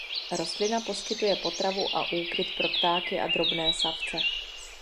Rostlina poskytuje potravu a úkryt pro ptáky a drobné savce.